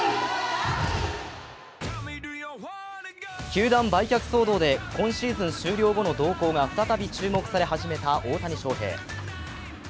球団売却騒動で今シーズン終了後の動向が再び注目され始めた大谷翔平。